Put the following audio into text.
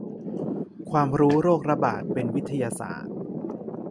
ความรู้โรคระบาด เป็นวิทยาศาสตร์